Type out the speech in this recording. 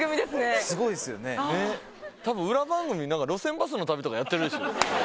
たぶん裏番組路線バスの旅とかやってるでしょ。